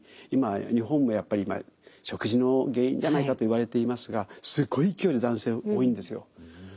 今日本もやっぱり食事の原因じゃないかといわれていますがすごい勢いで男性多いんですよ。